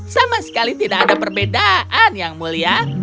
sama sekali tidak ada perbedaan yang mulia